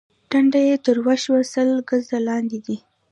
ټنډه يې تروه شوه: سل ګزه لاندې دي.